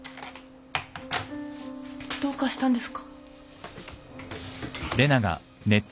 どうかしたんですか？